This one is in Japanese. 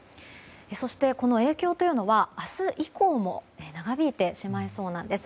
そして、この影響というのは明日以降も長引いてしまいそうなんです。